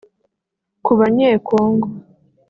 Ku Banyekongo